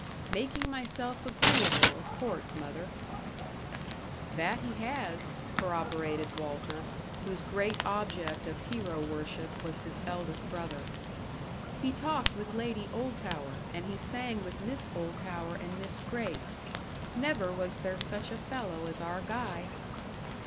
"Making myself agreeable, of course, mother." "That he has," corroborated Walter, whose great object of hero worship was his eldest brother. "He talked with Lady Oldtower, and he sang with Miss Oldtower and Miss Grace. Never was there such a fellow as our Guy."